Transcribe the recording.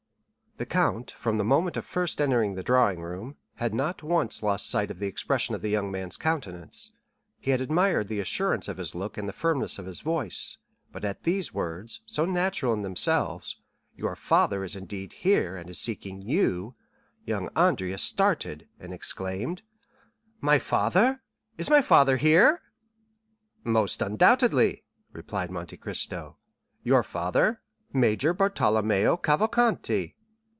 The count from the moment of first entering the drawing room, had not once lost sight of the expression of the young man's countenance; he had admired the assurance of his look and the firmness of his voice; but at these words, so natural in themselves, "Your father is indeed here, and is seeking you," young Andrea started, and exclaimed, "My father? Is my father here?" "Most undoubtedly," replied Monte Cristo; "your father, Major Bartolomeo Cavalcanti."